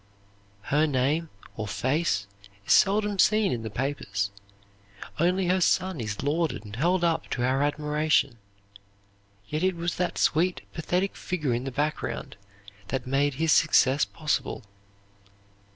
Her name or face is seldom seen in the papers; only her son is lauded and held up to our admiration. Yet it was that sweet, pathetic figure in the background that made his success possible.